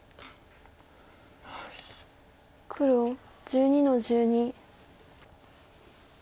黒１２の十二。